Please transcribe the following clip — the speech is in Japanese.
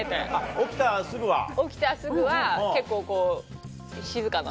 起きたらすぐは結構静かなの。